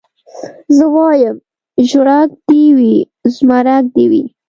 زه وايم ژړک دي وي زمرک دي وي